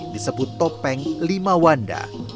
disebut topeng lima wanda